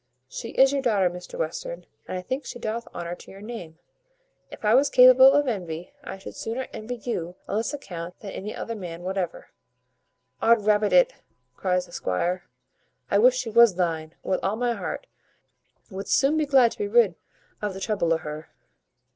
She is your daughter, Mr Western, and I think she doth honour to your name. If I was capable of envy, I should sooner envy you on this account than any other man whatever." "Odrabbit it!" cries the squire, "I wish she was thine, with all my heart wouldst soon be glad to be rid of the trouble o' her."